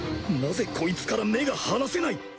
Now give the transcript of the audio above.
なぜコイツから目が離せない？